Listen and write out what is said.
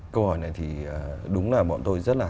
câu hỏi này thì đúng là bọn tôi rất là